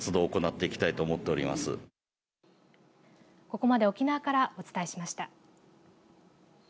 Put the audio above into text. ここまで沖縄からお伝えしました。